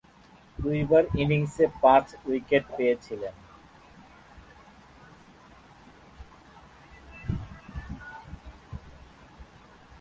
দুইবার ইনিংসে পাঁচ উইকেট পেয়েছিলেন।